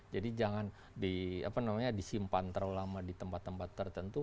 jadi jangan di apa namanya disimpan terlalu lama di tempat tempat tertentu